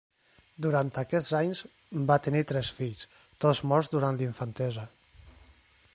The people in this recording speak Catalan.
Durant aquests anys va tenir tres fills, tots morts durant la infantesa.